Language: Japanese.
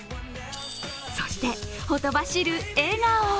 そして、ほとばしる笑顔。